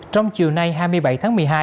trong chiều nay hai mươi bảy tháng một mươi hai